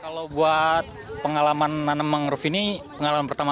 kalau buat pengalaman nanam mangrove ini pengalaman pertama